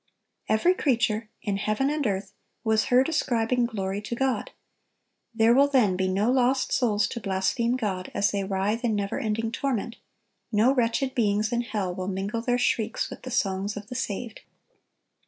Every creature in heaven and earth was heard ascribing glory to God.(961) There will then be no lost souls to blaspheme God, as they writhe in never ending torment; no wretched beings in hell will mingle their shrieks with the songs of the saved.